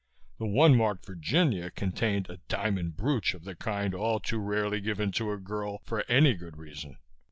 The one marked "Virginia" contained a diamond brooch of the kind all too rarely given to a girl for any good reason.